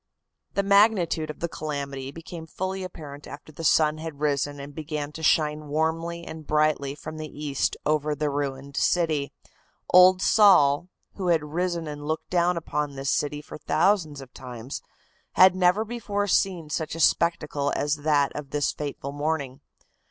The magnitude of the calamity became fully apparent after the sun had risen and began to shine warmly and brightly from the east over the ruined city. Old Sol, who had risen and looked down upon this city for thousands of times, had never before seen such a spectacle as that of this fateful morning.